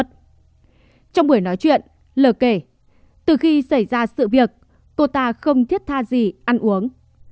trong buổi nói chuyện lờ kể từ khi xảy ra sự việc cô ta không thiết tha gì ăn uống